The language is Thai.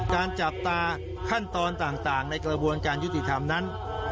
การจับตาขั้นตอนต่างในกระบวนการยุติธรรมนั้น